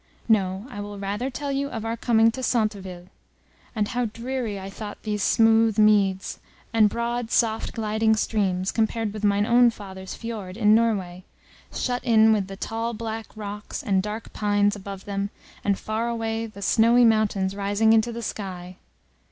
No, I will rather tell you of our coming to Centeville, and how dreary I thought these smooth meads, and broad soft gliding streams, compared with mine own father's fiord in Norway, shut in with the tall black rocks, and dark pines above them, and far away the snowy mountains rising into the sky.